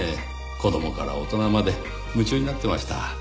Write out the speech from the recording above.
子供から大人まで夢中になってました。